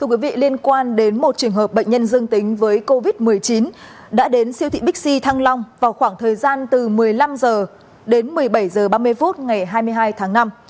thưa quý vị liên quan đến một trường hợp bệnh nhân dương tính với covid một mươi chín đã đến siêu thị bixi thăng long vào khoảng thời gian từ một mươi năm h đến một mươi bảy h ba mươi phút ngày hai mươi hai tháng năm